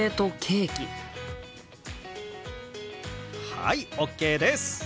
はいＯＫです！